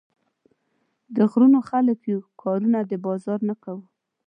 د غرونو خلک يو، کارونه د بازار نۀ کوو